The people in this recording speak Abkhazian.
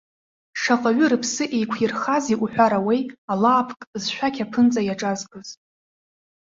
Шаҟаҩы рыԥсы еиқәирхазеи уҳәарауеи, алаапк зшәақь аԥынҵа иаҿазкыз!